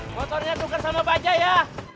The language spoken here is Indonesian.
motornya tukar sama baja ya